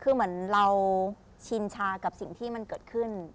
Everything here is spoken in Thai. คือเหมือนเราชินชากับสิ่งที่มันเกิดขึ้น